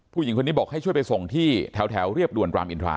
ผู้หญิงคนนี้บอกให้ช่วยไปส่งที่แถวเรียบด่วนรามอินทรา